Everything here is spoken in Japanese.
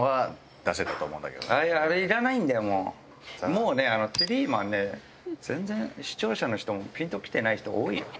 もうねテリーマンね全然視聴者の人もピンときてない人多いよ。